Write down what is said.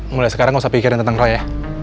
mulai sekarang gak usah pikirin tentang roy ya